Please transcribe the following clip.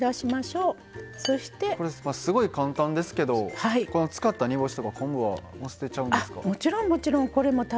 これすごい簡単ですけどこの使った煮干しとか昆布はもう捨てちゃうんですか？